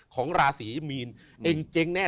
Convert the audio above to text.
ของราศีมีนเองเจ๊งแน่